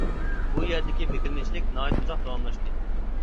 بۇ يەردىكى بېكىنمىچىلىك ناھايىتى ئۇزاق داۋاملاشتى.